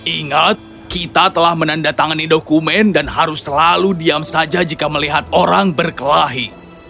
ingat kita telah menandatangani dokumen dan harus selalu diam saja jika melihat orang berkelahi